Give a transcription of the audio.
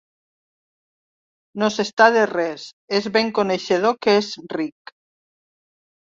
No s'està de res: és ben coneixedor que és ric.